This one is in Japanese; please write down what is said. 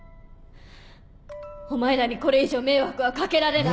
お前らにこれ以上迷惑はかけられない。